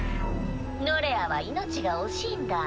ノレアは命が惜しいんだ？